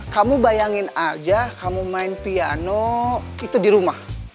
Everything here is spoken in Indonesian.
kamu bayangin aja kamu main piano itu di rumah